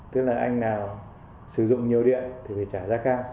tức là anh nào sử dụng nhiều điện thì phải trả giá cao